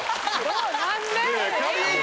何で？